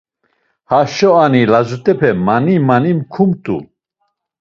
Haşo ani, lazut̆epe mani mani mkumt̆u.